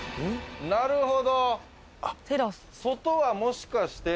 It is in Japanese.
なるほど。